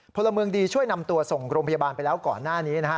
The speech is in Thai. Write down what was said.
พลเมืองดีช่วยนำตัวส่งโรงพยาบาลไปแล้วก่อนหน้านี้นะฮะ